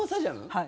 はい。